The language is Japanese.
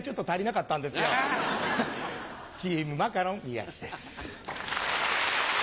チームマカロン宮治です。